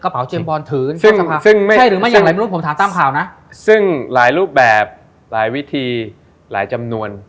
เป็นรูปแบบหลายวิธีหลายจำนวน